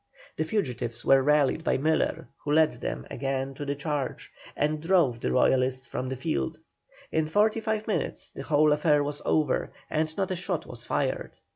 The fugitives were rallied by Miller, who led them again to the charge, and drove the Royalists from the field. In forty five minutes the whole affair was over, and not a shot was fired.